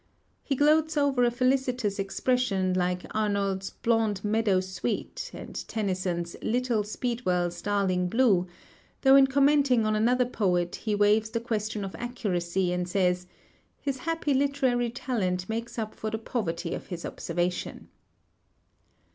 He gloats over a felicitous expression, like Arnold's "blond meadow sweet" and Tennyson's "little speedwell's darling blue"; though in commenting on another poet he waives the question of accuracy, and says "his happy literary talent makes up for the poverty of his observation."